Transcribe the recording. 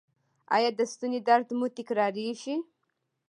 ایا د ستوني درد مو تکراریږي؟